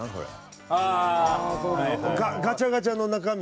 ガチャガチャの中身